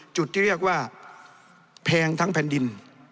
จุดที่เรียกว่าแพงทั้งแผ่นดิน